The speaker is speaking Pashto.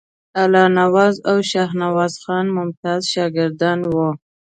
الله نواز او شاهنواز خان ممتاز شاګردان ول.